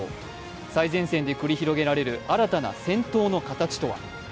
最前線で繰り広げられる新たな戦闘の形とは。